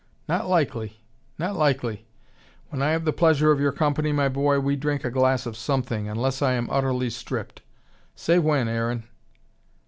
"Not likely! Not likely! When I have the pleasure of your company, my boy, we drink a glass of something, unless I am utterly stripped. Say when, Aaron."